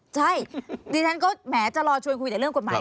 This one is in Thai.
ใช่ดิฉันก็แหมจะรอชวนคุยแต่เรื่องกฎหมาย